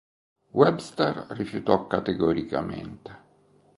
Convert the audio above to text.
Webster rifiutò categoricamente.